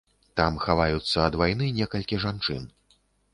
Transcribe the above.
Там хаваюцца ад вайны некалькі жанчын.